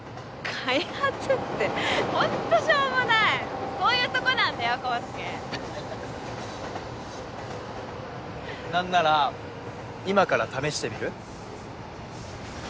開発ってほんとしょうもないそういうとこなんだよ康祐なんなら今から試してみる？